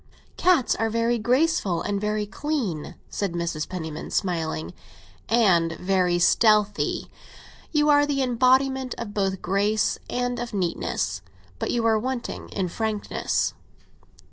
"Cats are very graceful, and very clean," said Mrs. Penniman, smiling. "And very stealthy. You are the embodiment both of grace and of neatness; but you are wanting in frankness."